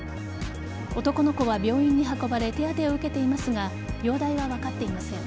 男の子は病院に運ばれ手当てを受けていますが容体は分かっていません。